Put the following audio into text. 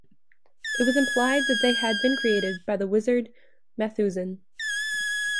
It was implied that they had been created by the wizard Methusan.